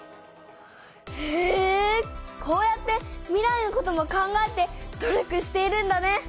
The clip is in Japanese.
へえこうやって未来のことも考えて努力しているんだね。